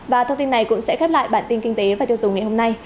và thông tin này cũng sẽ khép lại bản tin kinh tế và tiêu dùng ngày hôm nay